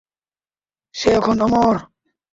সে এখন অমর!